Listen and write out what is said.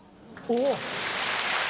お！